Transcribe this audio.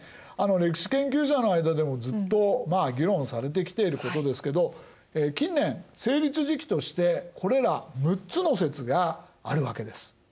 歴史研究者の間でもずっと議論されてきていることですけど近年成立時期としてこれら６つの説があるわけです。